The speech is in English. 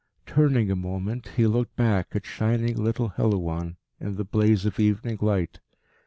Turning a moment, he looked back at shining little Helouan in the blaze of evening light.